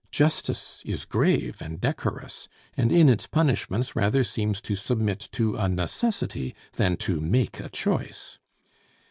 Justice is grave and decorous, and in its punishments rather seems to submit to a necessity than to make a choice.